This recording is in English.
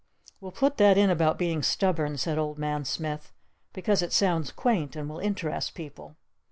"We'll put that in about being 'stubborn,'" said Old Man Smith, "because it sounds quaint and will interest people."